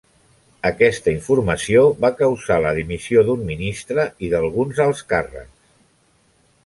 Aquesta informació va causar la dimissió d'un ministre i d'alguns alts càrrecs.